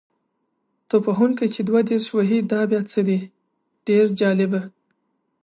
توپ وهونکی چې دوه دېرش وهي دا بیا څه دی؟ ډېر جالبه.